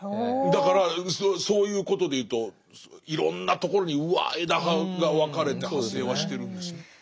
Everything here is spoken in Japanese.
だからそういうことでいうといろんなところにうわ枝葉が分かれて派生はしてるんですね。